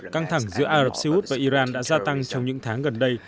căng thẳng giữa ả rập xê út và iran đã gia tăng trong những tháng gần đây